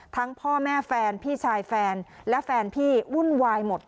พ่อแม่แฟนพี่ชายแฟนและแฟนพี่วุ่นวายหมด